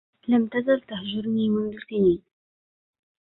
لم تزل تهجرني منذ سنين